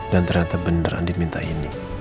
dan ternyata beneran diminta ini